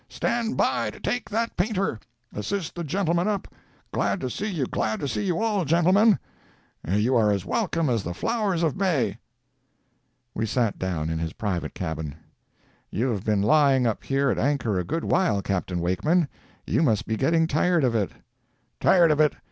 Stand by to take that painter! Assist the gentleman up! Glad to see you—glad to see you all, gentlemen! You are as welcome as the flowers of May!" We sat down in his private cabin. "You have been lying up here at anchor a good while, Capt. Wakeman. You must be getting tired of it." "Tired of it!